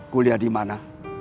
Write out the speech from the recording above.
kuliah di mana